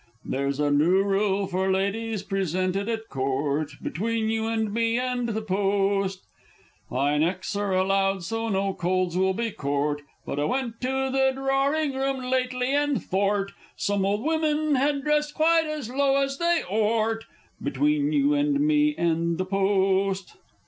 _) There's a new rule for ladies presented at Court, Between you and me and the Post! High necks are allowed, so no colds will be cort, But I went to the droring room lately, and thort Some old wimmen had dressed quite as low as they ort! Between you and me and the Post!